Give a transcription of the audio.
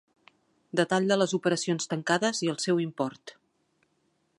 Detall de les operacions tancades i el seu import.